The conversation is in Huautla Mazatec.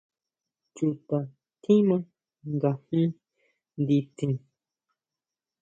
¿Chuta tjiman ngajin nditsin?